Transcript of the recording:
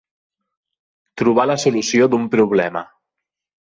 Trobar la solució d'un problema.